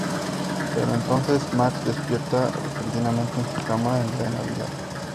Pero entonces, Max despierta repentinamente en su cama, el día de Navidad.